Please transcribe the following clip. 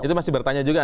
itu masih bertanya juga